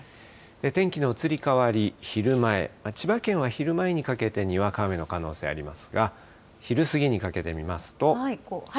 天気の移り変わり、昼前、千葉県は昼前にかけてにわか雨の可能性がありますが、昼過ぎにかけて見ますと。